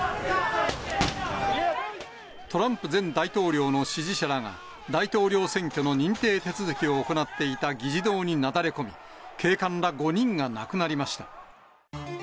トランプ前大統領の支持者らが、大統領選挙の認定手続きを行っていた議事堂になだれ込み、警官ら５人が亡くなりました。